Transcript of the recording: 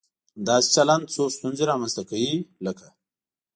داسې چلن څو ستونزې رامنځته کوي، لکه